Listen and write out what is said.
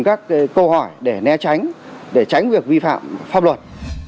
các câu hỏi để né tránh để tránh việc vi phạm pháp luật